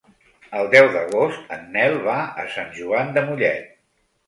El deu d'agost en Nel va a Sant Joan de Mollet.